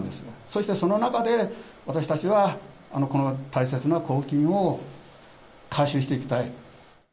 そしてその中で、私たちは、この大切な公金を回収していきたい。